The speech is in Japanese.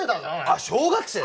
あっ小学生？